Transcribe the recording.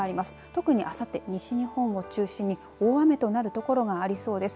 特にあさって西日本を中心に大雨となる所がありそうです。